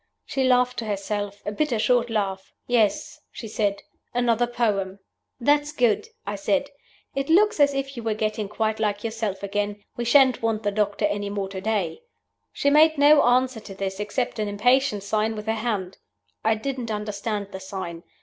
She laughed to herself a bitter, short laugh. 'Yes,' she said, 'another poem.' 'That's good,' I said; 'it looks as if you were getting quite like yourself again. We shan't want the doctor any more to day.' She made no answer to this, except an impatient sign with her hand. I didn't understand the sign.